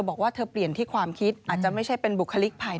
บอกว่าเธอเปลี่ยนที่ความคิดอาจจะไม่ใช่เป็นบุคลิกภัย